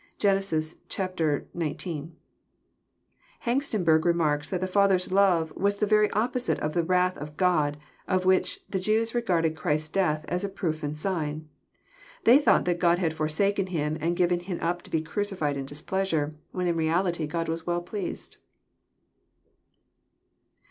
(Gen. xix.) Hengstenberg remarks that the Father's love " was the very opposite of that wrath of God, of which the Jews regarded Christ's death as a proof and sign." They thought that God had forsaken Him, and given Him up to be crucified in displeasure, when in reality God was well pleased.